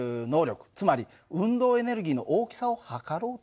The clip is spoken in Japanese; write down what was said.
つまり運動エネルギーの大きさを測ろうという訳なんだよ。